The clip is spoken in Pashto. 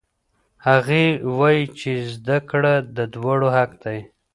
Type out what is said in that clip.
هغې وایي چې زده کړه د دواړو حق دی.